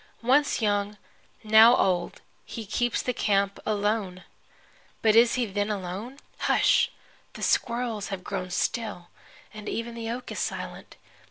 Once young, now old, he keeps the camp alone! But is he then alone? Hush! The squirrels have grown still, and even the oak is silent.